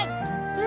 え？